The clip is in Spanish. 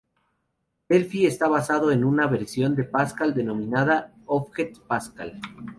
Delphi está basado en una versión de Pascal denominada Object Pascal.